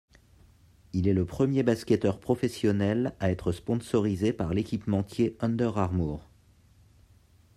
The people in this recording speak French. Il est le premier basketteur professionnel à être sponsorisé par l'équipementier Under Armour.